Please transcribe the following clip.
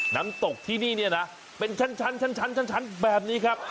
น้ำตกที่นี่เนี่ยนะเป็นชั้นแบบนี้ครับ